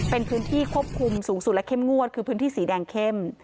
เป็นพื้นที่ควบคุมสูงสุดและเข้มงวดคือพื้นที่สีแดงเข้ม